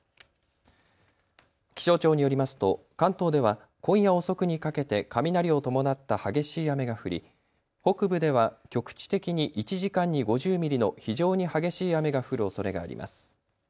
気象庁によりますと関東では今夜遅くにかけて雷を伴った激しい雨が降り北部では局地的に１時間に５０ミリの非常に激しい雨が降るおそれがあります。